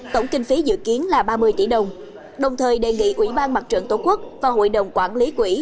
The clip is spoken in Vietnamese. tổng kinh phí dự kiến là ba mươi tỷ đồng đồng thời đề nghị ủy ban mặt trận tổ quốc và hội đồng quản lý quỹ